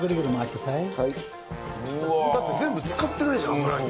だって全部浸かってないじゃん油に。